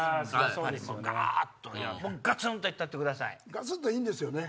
ガツンといいんですよね？